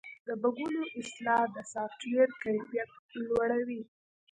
د بګونو اصلاح د سافټویر کیفیت لوړوي.